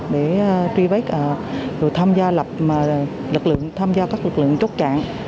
để trivet đều tham gia lập lực lượng tham gia các lực lượng chốt trả